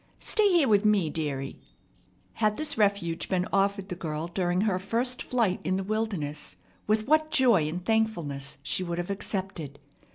Stay here with me, dearie." Had this refuge been offered the girl during her first flight in the wilderness, with what joy and thankfulness she would have accepted!